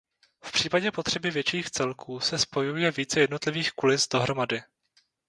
V případě potřeby větších celků se spojuje více jednotlivých kulis dohromady.